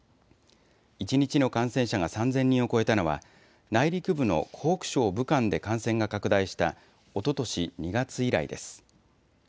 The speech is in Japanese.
一日の感染者が３０００人を超えたのは内陸部の湖北省武漢で感染が拡大したおととし２月以来です。